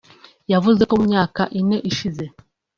yavuze ko mu myaka ine ishize